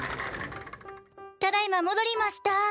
ただいまもどりました。